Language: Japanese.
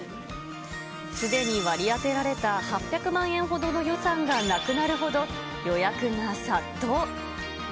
すでに割り当てられた８００万円ほどの予算がなくなるほど、予約が殺到。